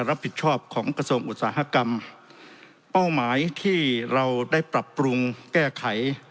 รับผิดชอบของกระทรวงอุตสาหกรรมเป้าหมายที่เราได้ปรับปรุงแก้ไข